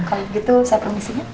kalau begitu saya permisi ya